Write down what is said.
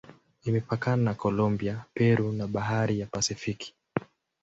Imepakana na Kolombia, Peru na Bahari ya Pasifiki.